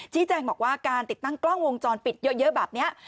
ชีแจงบอกว่าการติดตั้งกล้องวงจรปิดเยอะเยอะแบบเนี่ย